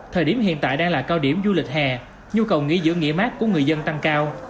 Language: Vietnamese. thời điểm hiện tại đang là cao điểm du lịch hè nhu cầu nghỉ dưỡng nghỉ mát của người dân tăng cao